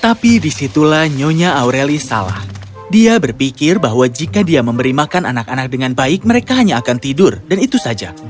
tapi disitulah nyonya aureli salah dia berpikir bahwa jika dia memberi makan anak anak dengan baik mereka hanya akan tidur dan itu saja